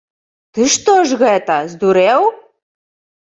Ты што ж гэта, здурэў?!